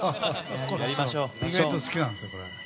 意外と好きなんですよ、これ。